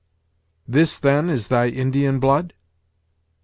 "This, then, is thy Indian blood?"